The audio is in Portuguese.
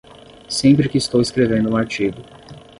Sempre que estou escrevendo um artigo